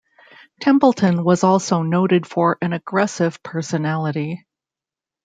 Templeton was also noted for an aggressive personality.